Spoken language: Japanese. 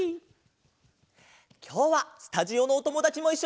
きょうはスタジオのおともだちもいっしょだよ！